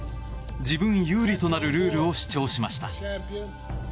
自分有利となるルールを主張しました。